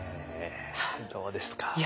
どうですか？